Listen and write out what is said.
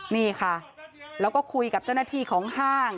นี่ค่ะแล้วก็คุยกับเจ้าหน้าที่ของห้าง